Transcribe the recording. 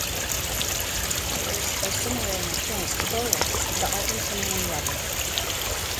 Clackers are similar in appearance to bolas, the Argentinian weapon.